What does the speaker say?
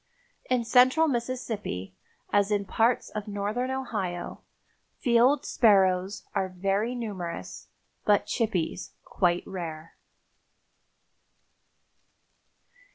In Central Mississippi, as in parts of Northern Ohio, field sparrows are very numerous, but chippies quite rare.